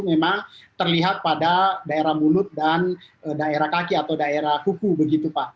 memang terlihat pada daerah mulut dan daerah kaki atau daerah kuku begitu pak